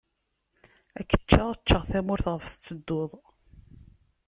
Ad k-ččeɣ, ččeɣ tamurt ɣef tettedduḍ.